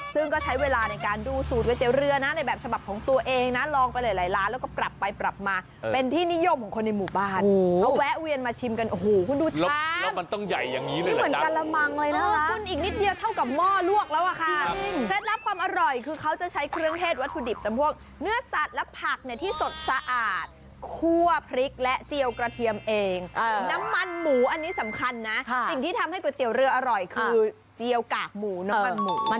เป็นที่นิยมของคนในหมู่บ้านเอาแวะเวียนมาชิมกันโอ้โหคุณดูช้ำแล้วมันต้องใหญ่อย่างนี้เลยหรอจ๊ะนี่เหมือนการมังเลยนะครับคุณอีกนิดเดียวเท่ากับหม้อลวกแล้วอะค่ะเท็จรับความอร่อยคือเขาจะใช้เครื่องเทศวัตถุดิบจำพวกเนื้อสัตว์และผักที่สดสะอาดคั่วพริกและเจียวกระเทียมเองน้ำมัน